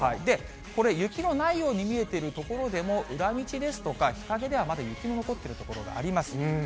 これ、雪のないように見えている所でも、裏道ですとか日陰では、まだ雪の残っている所があります。